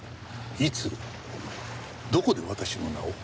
いつどこで私の名を？